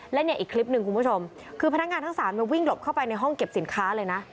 และเนี่ยอีกคลิปหนึ่งคุณผู้ชมคือพนักงานทั้ง๓วิ่งหลบเข้าไปในห้องเก็บสินค้าเลยนะ